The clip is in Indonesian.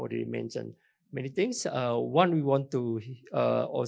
sudah menyebutkan banyak hal